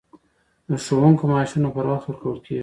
د ښوونکو معاشونه پر وخت ورکول کیږي؟